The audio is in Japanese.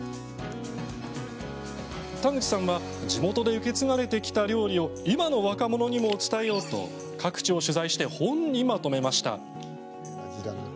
田口さんは地元で受け継がれてきた料理を今の若者にも伝えようと各地を取材して本にまとめました。